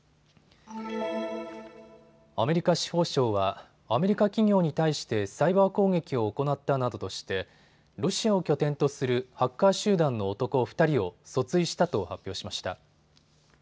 アメリカ司法省はアメリカ企業に対してサイバー攻撃を行ったなどとしてロシアを拠点とするハッカー集団の男２人を訴追したと発表しました。